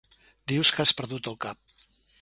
Dius que has perdut el cap.